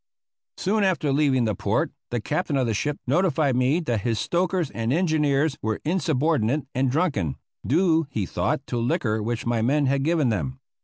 Soon after leaving port the captain of the ship notified me that his stokers and engineers were insubordinate and drunken, due, he thought, to liquor which my men had given them.